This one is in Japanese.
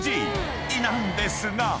［なんですが］